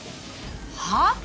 はあ？